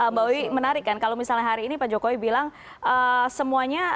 mbak wiwi menarik kan kalau misalnya hari ini pak jokowi bilang semuanya